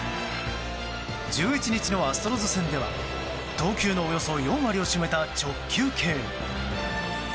１１日のアストロズ戦では投球のおよそ４割を占めた直球系。